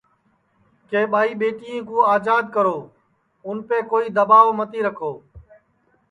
کہ ٻائی ٻیٹیں کُو آجاد کرو اُنپے کوئی دؔواب متی رکھو